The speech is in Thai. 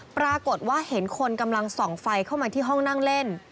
ปรากฏว่าเห็นคนกำลังส่องไฟเข้ามาที่ห้องนั่งเล่น